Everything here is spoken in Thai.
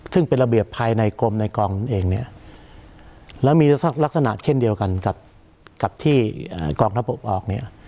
ซึ่งเป็นระเบียบภายในกรมในกองเองเนี่ยแล้วมีสักลักษณะเช่นเดียวกันกับที่กองทัพบกออกเนี่ย